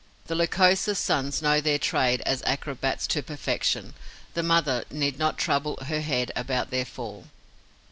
The Lycosa's sons know their trade as acrobats to perfection: the mother need not trouble her head about their fall.